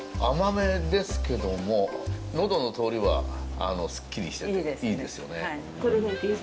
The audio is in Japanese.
甘めですけども、喉の通りはすっきりしてて、いいですよね。